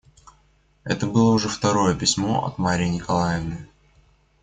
Это было уже второе письмо от Марьи Николаевны.